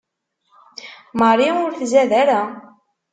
Marie ur tzad ara.